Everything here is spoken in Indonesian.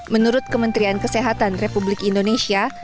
menurut kementerian kesehatan republik indonesia